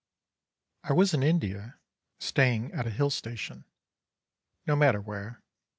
I was in India, staying at a hill station, no matter where.